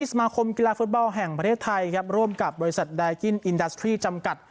สมาคมกีฬาฟุตบอลแห่งประเทศไทยครับร่วมกับบริษัทไดกินอินดาสตรีจำกัด